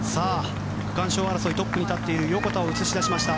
区間賞争いトップに立っている横田を映し出しました。